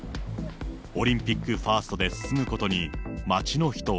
オリンピックファーストで進むことに、街の人は。